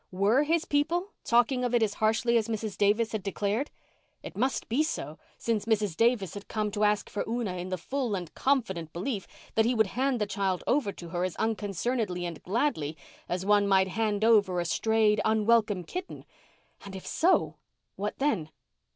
Were his people talking of it as harshly as Mrs. Davis had declared? It must be so, since Mrs. Davis had come to ask for Una in the full and confident belief that he would hand the child over to her as unconcernedly and gladly as one might hand over a strayed, unwelcome kitten. And, if so, what then?